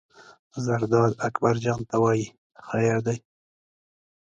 زرداد اکبر جان ته وایي: خیر دی.